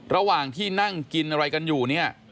ระหว่างที่นั่งกินอะไรกันอยู่เนี่ย